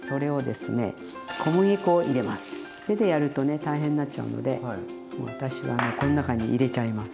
手でやるとね大変になっちゃうので私はもうこの中に入れちゃいます。